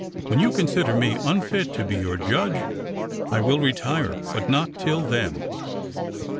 When you consider me unfit to be your judge I will retire, but not till then.'